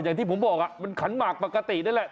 อย่างที่ผมบอกมันขันหมากปกตินั่นแหละ